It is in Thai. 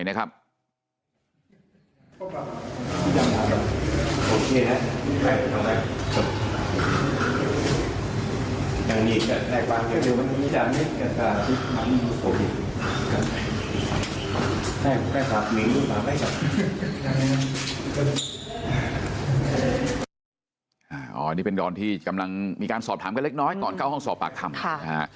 นี่เป็นร้อนที่กำลังมีการสอบถามกันเล็กตอนเข้าห้องสอบปากคำ